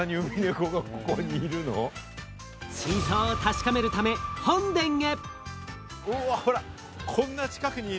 真相を確かめるため、本殿へ。